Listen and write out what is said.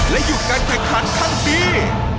และหยุดการแขกขันทั้งปี